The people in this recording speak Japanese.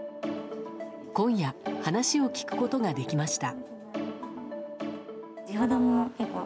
今夜、話を聞くことができました。